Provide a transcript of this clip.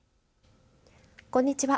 こんにちは。